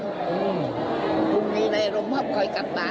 ตกลุ่มนี้เลยร่วมเข้าไปกลับบ้าน